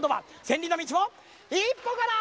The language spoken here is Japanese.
千里の道も一歩から！